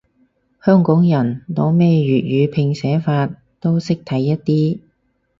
香港人，攞咩粵語拼寫法都識睇一啲